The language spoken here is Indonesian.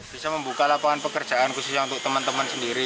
bisa membuka lapangan pekerjaan khususnya untuk teman teman sendiri